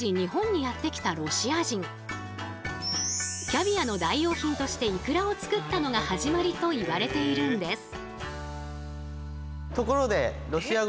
キャビアの代用品としていくらを作ったのが始まりといわれているんです。